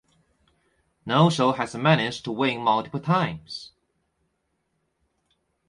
No show has managed to win multiple times.